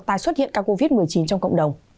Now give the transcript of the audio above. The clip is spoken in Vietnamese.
tái xuất hiện ca covid một mươi chín trong cộng đồng